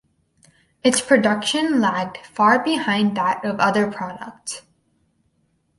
Its production lagged far behind that of other products.